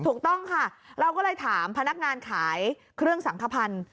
ถูกต้องค่ะเราก็เลยถามพนักงานขายเครื่องสังขพันธ์